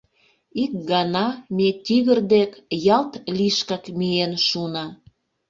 Ик гана ме тигр дек ялт лишкак миен шуна.